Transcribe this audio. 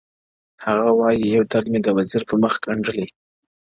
• هغه وايي يو درد مي د وزير پر مخ گنډلی،